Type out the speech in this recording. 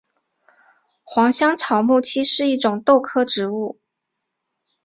黄香草木樨是一种豆科植物。